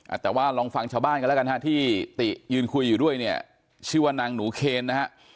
แต่ว่าลองฟังชาวบ้านกันแล้วกันฮะที่ติยืนคุยอยู่ด้วยเนี่ยชื่อว่านางหนูเคนนะฮะ